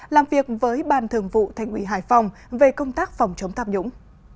làm việc với ban thường vụ thành ủy hải phòng về công tác phòng chống tham nhũng